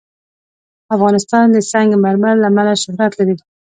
افغانستان د سنگ مرمر له امله شهرت لري.